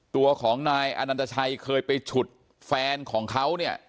ตัวของนายอนันตชัยเคยไปฉุดแฟนของเขาเนี่ย